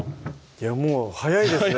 もう早いですね